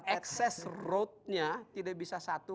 ekses roadnya tidak bisa satu